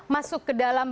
masuk ke dalam